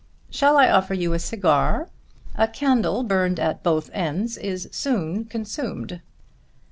Shall I offer you a cigar? A candle burned at both ends is soon consumed."